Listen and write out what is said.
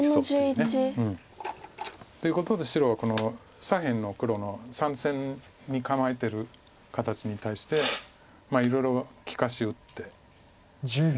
白４の十一。ということで白はこの左辺の黒の３線に構えてる形に対していろいろ利かしを打って。